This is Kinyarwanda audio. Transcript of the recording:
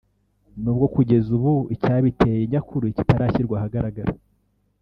n’ubwo kugeza ubu icyabiteye nyakuri kitarashyirwa ahagaragara